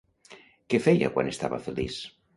Què feia quan estava feliç?